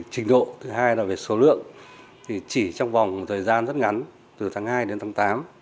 trình độ thứ hai là về số lượng thì chỉ trong vòng thời gian rất ngắn từ tháng hai đến tháng tám